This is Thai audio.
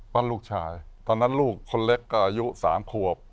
ลูกชายตอนนั้นลูกคนเล็กก็อายุ๓ขวบ